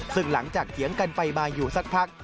ซึ่งหลังจากเถียงกันไปมาอยู่สักพัก